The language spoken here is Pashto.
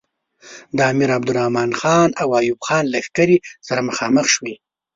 د امیر عبدالرحمن خان او ایوب خان لښکرې سره مخامخ شوې.